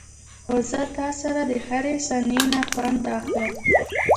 خو زه تاسره دهرې ثانيې نه خوند اخلم.